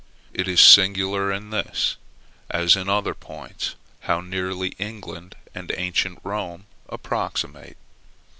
It is singular in this, as in other points, how nearly England and ancient Rome approximate.